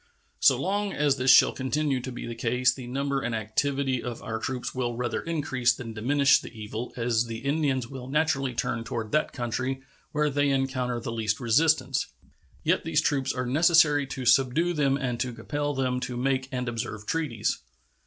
So long as this shall continue to be the case the number and activity of our troops will rather increase than diminish the evil, as the Indians will naturally turn toward that country where they encounter the least resistance. Yet these troops are necessary to subdue them and to compel them to make and observe treaties.